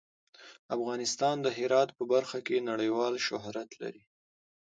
افغانستان د هرات په برخه کې نړیوال شهرت لري.